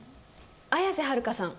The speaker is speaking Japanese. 綾瀬はるかさん。